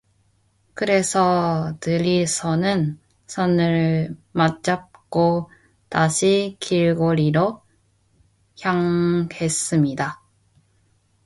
그래서 둘이서는 손을 맞잡고 다시 길거리로 향했습니다.